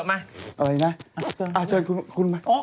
อ้าวเชิญคุณครู